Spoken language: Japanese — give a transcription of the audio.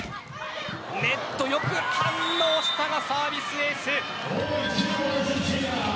ネット、よく反応したがサービスエース。